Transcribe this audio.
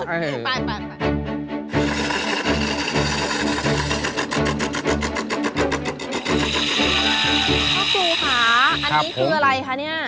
ครูค่ะอันนี้คืออะไรคะเนี่ย